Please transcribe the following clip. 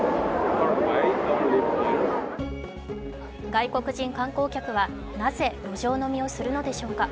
外国人観光客は、なぜ路上飲みをするのでしょうか。